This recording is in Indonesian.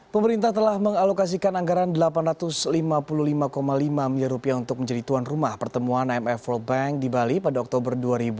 pemerintah telah mengalokasikan anggaran rp delapan ratus lima puluh lima lima miliar untuk menjadi tuan rumah pertemuan imf world bank di bali pada oktober dua ribu dua puluh